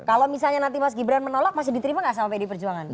kalau misalnya nanti mas gibran menolak masih diterima nggak sama pdi perjuangan